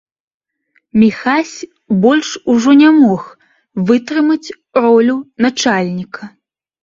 Міхась больш ужо не мог вытрымаць ролю начальніка.